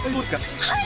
はい！